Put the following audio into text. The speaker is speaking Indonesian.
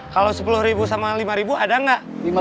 kalau sepuluh ribu sama lima ribu ada nggak